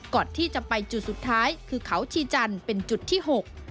ก่อนที่จะไปจุดสุดท้ายคือเขาชีจันทร์เป็นจุดที่หก